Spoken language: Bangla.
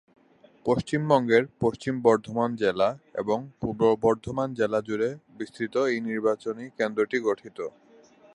পশ্চিমবঙ্গের পশ্চিম বর্ধমান জেলা এবং পূর্ব বর্ধমান জেলা জুড়ে বিস্তৃত এই নির্বাচনী কেন্দ্রটি গঠিত।